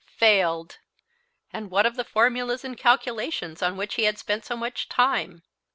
Failed! ! And what of the formulas and calculations on which he had spent so much time?